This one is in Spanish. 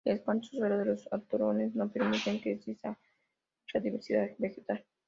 El escaso suelo de los atolones no permite que exista mucha diversidad vegetal.